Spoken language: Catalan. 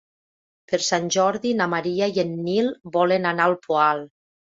Per Sant Jordi na Maria i en Nil volen anar al Poal.